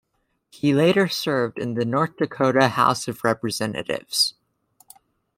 He later served in the North Dakota House of Representatives.